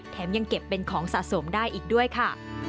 ยังเก็บเป็นของสะสมได้อีกด้วยค่ะ